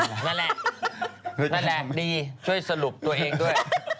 นั่นแหละดีช่วยสรุปตัวเองด้วย